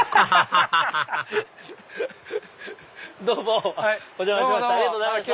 ハハハハどうもお邪魔しました。